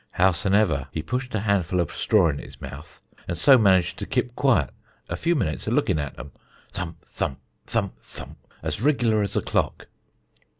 Howsonever he pushed a hanful of strah into his mouth and so managed to kip quiet a few minutes a lookin' at um thump, thump; thump, thump, as riglar as a clock.